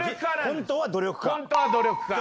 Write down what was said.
本当は努力家。